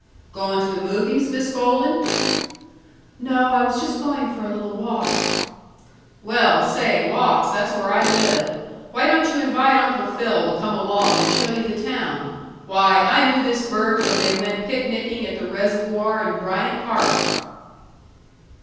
"Goin' to the movies, Miss Golden?" "No, I was just going for a little walk." "Well, say, walks, that's where I live. Why don't you invite Uncle Phil to come along and show you the town? Why, I knew this burg when they went picnicking at the reservoir in Bryant Park."